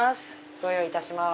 ご用意いたします。